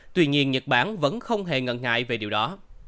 tuy nhiên nhật bản vẫn không hề ngần ngại về điều đó